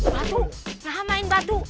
batu gak mau main batu